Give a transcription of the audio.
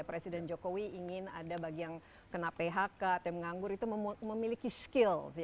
presiden jokowi ingin ada bagi yang kena phk tim nganggur itu memiliki skill